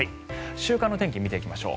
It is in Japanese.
週間の天気を見ていきましょう。